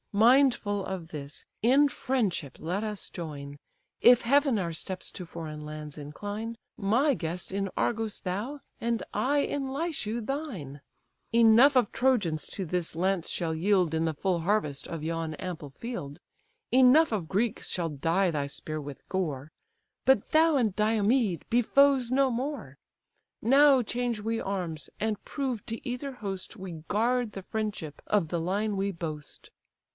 Mindful of this, in friendship let us join; If heaven our steps to foreign lands incline, My guest in Argos thou, and I in Lycia thine. Enough of Trojans to this lance shall yield, In the full harvest of yon ample field; Enough of Greeks shall dye thy spear with gore; But thou and Diomed be foes no more. Now change we arms, and prove to either host We guard the friendship of the line we boast."